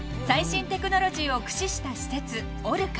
［最新テクノロジーを駆使した施設］